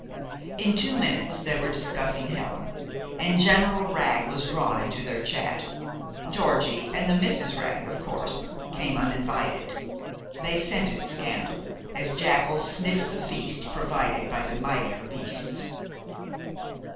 In two minutes they were discussing Helen, and General Wragg was drawn into their chat. Georgie and the Misses Wragg, of course, came uninvited. They scented scandal as jackals sniff the feast provided by the mightier beasts.